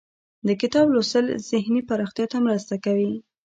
د کتاب لوستل ذهني پراختیا ته مرسته کوي.